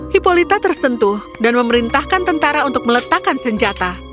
hipolita tersentuh dan memerintahkan tentara untuk meletakkan senjata